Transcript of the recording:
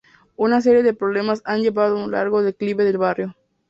Una serie de problemas han llevado a un largo declive del barrio.